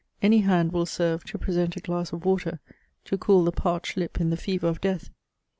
Any hand will serve to present a glass of water to cool the parched lip in the fever of death.